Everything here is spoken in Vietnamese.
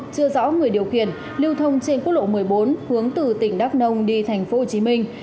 chưa rõ người điều khiển lưu thông trên quốc lộ một mươi bốn hướng từ tỉnh đắk nông đi thành phố hồ chí minh